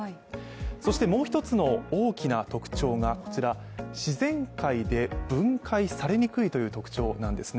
そしてもう一つの大きな特徴がこちら、自然界で分解されにくいという特徴なんですね